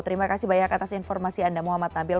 terima kasih banyak atas informasi anda muhammad nabil